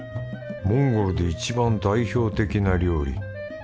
モンゴルで一番代表的な料理。